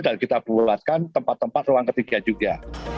dan kita buatkan tempat tempat ruang ketiga juga